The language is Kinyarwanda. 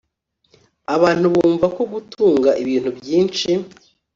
Abantu bumva ko gutunga ibintu byinshi